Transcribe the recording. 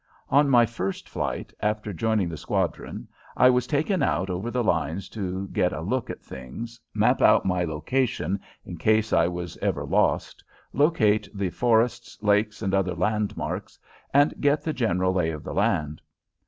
On my first flight, after joining the squadron, I was taken out over the lines to get a look at things, map out my location in case I was ever lost, locate the forests, lakes, and other landmarks, and get the general lay of the land.